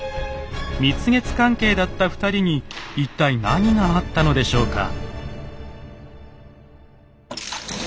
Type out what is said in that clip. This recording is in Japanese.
蜜月関係だった２人に一体何があったのでしょうか？